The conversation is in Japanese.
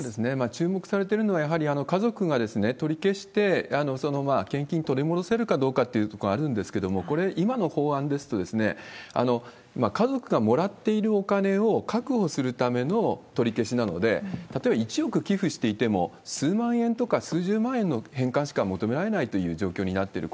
注目されているのは、やはり家族が取り消して、その献金を取り戻せるかどうかというところがあるんですけれども、これ、今の法案ですと、家族がもらっているお金を確保するための取り消しなので、例えば１億寄付していても、数万円とか数十万円の返還しか求められないという状況になっている。